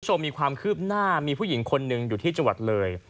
คุณผู้ชมมีความคืบหน้ามีผู้หญิงคนหนึ่งอยู่ที่จังหวัดเลย